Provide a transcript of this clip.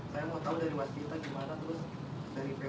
saya mau tahu dari waskita gimana terus dari puk